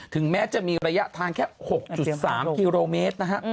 ถึงแม้จะมีระยะทางแค่๖๓กิโลเมตรนะฮะ